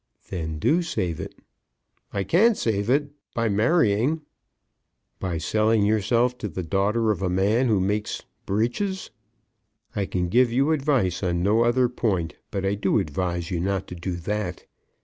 "Then do save it." "I can save it by marrying." "By selling yourself to the daughter of a man who makes breeches! I can give you advice on no other point; but I do advise you not to do that.